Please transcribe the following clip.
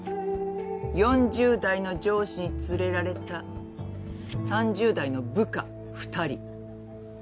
４０代の上司に連れられた３０代の部下２人。